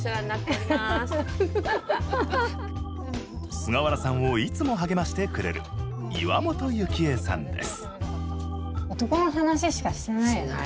菅原さんをいつも励ましてくれる岩本幸江さんです。